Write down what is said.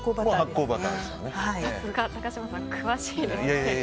さすが高嶋さん詳しいですね。